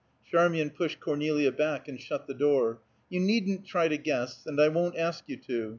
Charmian pushed Cornelia back and shut the door. "You needn't try to guess, and I won't ask you to.